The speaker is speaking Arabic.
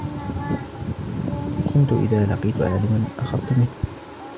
كُنْت إذَا لَقِيتُ عَالِمًا أَخَذْت مِنْهُ